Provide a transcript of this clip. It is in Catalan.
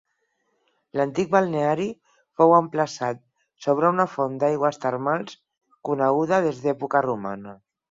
L'antic balneari fou emplaçat sobre una font d'aigües termals coneguda des d'època romana.